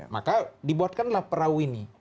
maka dibuatkanlah perahu ini